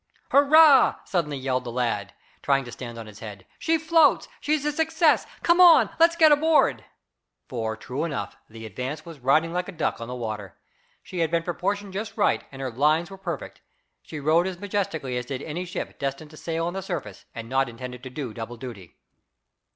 "Hurrah!" suddenly yelled the lad, trying to stand on his head. "She floats! She's a success! Come on! Let's get aboard!" For, true enough, the Advance was riding like a duck on the water. She had been proportioned just right, and her lines were perfect. She rode as majestically as did any ship destined to sail on the surface, and not intended to do double duty.